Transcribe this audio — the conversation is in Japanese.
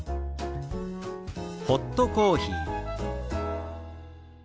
「ホットコーヒー」。